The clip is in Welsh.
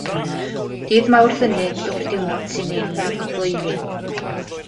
Dydd Mawrth Ynyd yw'r diwrnod sy'n ei ragflaenu.